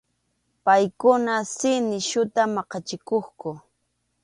Paykuna si nisyuta maqachikuqku.